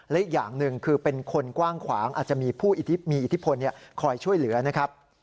และอีกอย่างหนึ่งคือเป็นคนกว้างขวางอาจจะมีผู้มีอิทธิพลคอยช่วยเหลือนะครับ